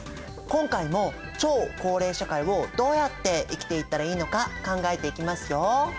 今回も超高齢社会をどうやって生きていったらいいのか考えていきますよ。